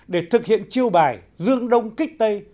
để thực hiện chiêu bài dương đông kích tây